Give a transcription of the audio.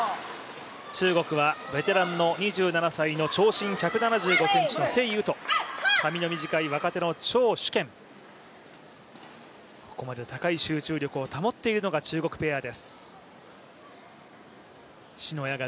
中国はベテランの２７歳の長身１７５ｃｍの鄭雨と髪の短い若手の張殊賢、ここまで高い集中力を保っているのが中国ペアです。